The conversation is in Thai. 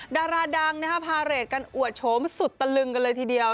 ดาราดังพาเรทกันอวดโฉมสุดตะลึงกันเลยทีเดียว